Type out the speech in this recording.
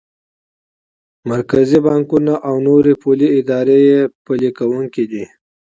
مرکزي بانکونه او نورې پولي ادارې یې پلي کوونکی دي.